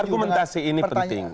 argumentasi ini penting